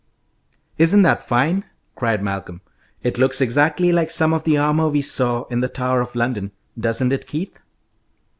"Isn't that fine!" cried Malcolm. "It looks exactly like some of the armour we saw in the Tower of London, doesn't it, Keith?"